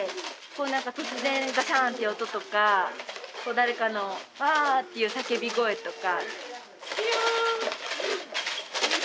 突然ガシャーンっていう音とか誰かのわっていう叫び声とか。